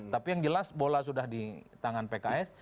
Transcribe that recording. tapi yang jelas bola sudah di tangan pks